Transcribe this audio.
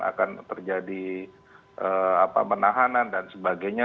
akan terjadi apa menahanan dan sebagainya